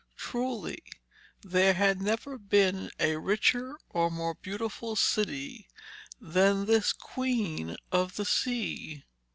Truly there had never been a richer or more beautiful city than this Queen of the Sea.